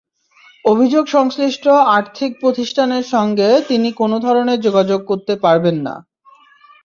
অভিযোগ সংশ্লিষ্ট আর্থিক প্রতিষ্ঠানের সঙ্গে তিনি কোনো ধরনের যোগাযোগ করতে পারবেন না।